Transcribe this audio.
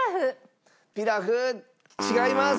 ピラフ違います。